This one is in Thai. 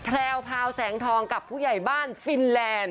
แพลวพาวแสงทองกับผู้ใหญ่บ้านฟินแลนด์